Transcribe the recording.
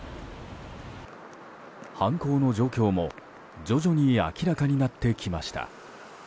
犯行の状況も徐々に明らかになってきました。